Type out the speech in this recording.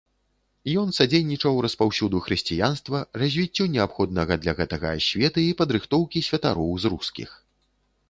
Ён садзейнічаў распаўсюду хрысціянства, развіццю неабходнага для гэтага асветы і падрыхтоўкі святароў з рускіх.